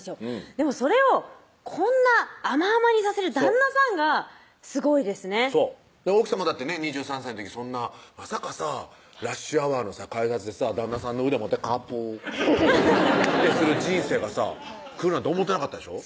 でもそれをこんな甘々にさせる旦那さんがすごいですねそう奥さまだってね２３歳の時そんなまさかさラッシュアワーのさ改札でさ旦那さんの腕持ってカプーってする人生がさ来るなんて思ってなかったでしょ？